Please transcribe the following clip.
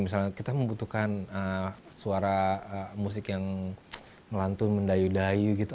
misalnya kita membutuhkan suara musik yang melantun mendayu dayu gitu